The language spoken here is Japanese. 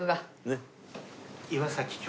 ねっ？